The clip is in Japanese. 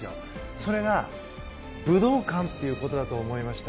それが武道館ということだと思いました。